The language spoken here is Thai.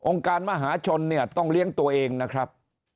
การมหาชนเนี่ยต้องเลี้ยงตัวเองนะครับ